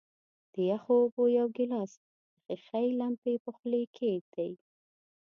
د یخو اوبو یو ګیلاس د ښيښې لمپې په خولې کیږدئ.